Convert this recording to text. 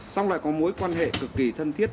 xong lại có mối quan hệ cực kỳ thân thiết